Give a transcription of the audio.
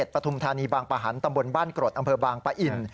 ปฐุมธานีบางประหันตำบลบ้านกรดอำเภอบางปะอิน